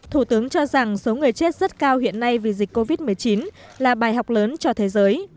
thủ tướng cho rằng số người chết rất cao hiện nay vì dịch covid một mươi chín là bài học lớn cho thế giới